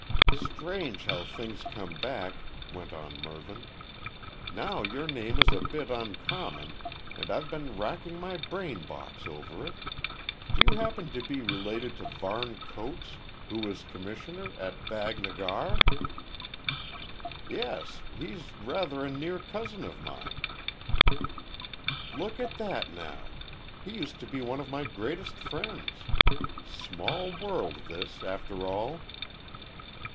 "Strange how things come back," went on Mervyn. "Now your name is a bit uncommon, and I've been racking my brain box over it. Do you happen to be related to Varne Coates, who was Commissioner at Baghnagar?" "Yes. He's rather a near cousin of mine." "Look at that now. He used to be one of my greatest friends. Small world this after all."